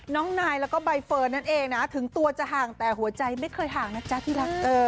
น้องนายแล้วก็ใบเฟิร์นนั่นเองนะถึงตัวจะห่างแต่หัวใจไม่เคยห่างนะจ๊ะที่รัก